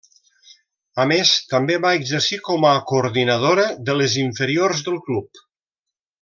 A més, també va exercir com a coordinadora de les inferiors del club.